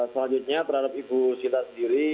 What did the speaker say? selanjutnya terhadap ibu sita sendiri